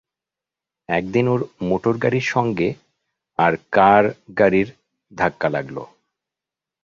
একদিন ওর মোটরগাড়ির সঙ্গে আর-কার গাড়ির ধাক্কা লাগল।